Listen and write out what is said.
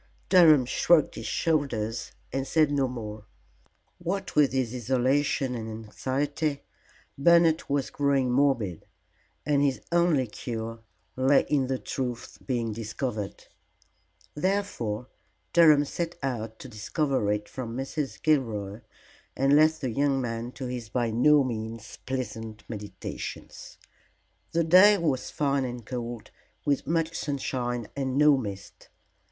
Durham shrugged his shoulders and said no more. What with his isolation and anxiety, Bernard was growing morbid, and his only cure lay in the truth being discovered. Therefore Durham set out to discover it from Mrs. Gilroy, and left the young man to his by no means pleasant meditations. The day was fine and cold, with much sunshine and no mist.